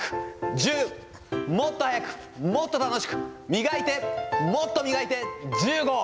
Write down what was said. １０、もっと速く、もっと楽しく、磨いて、もっと磨いて、１５。